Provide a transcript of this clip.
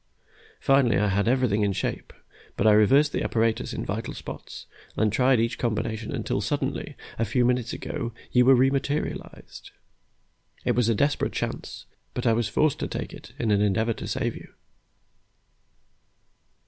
"Finally, I had everything in shape, but I reversed the apparatus in vital spots, and tried each combination until suddenly, a few minutes ago, you were re materialized. It was a desperate chance, but I was forced to take it in an endeavor to save you."